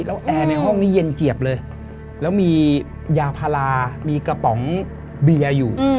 แล้วแอร์ในห้องนี้เย็นเจียบเลยแล้วมียาพารามีกระป๋องเบียร์อยู่